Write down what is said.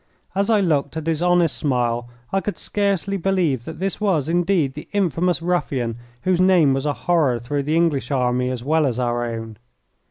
As I looked at his honest smile I could scarcely believe that this was, indeed, the infamous ruffian whose name was a horror through the English Army as well as our own.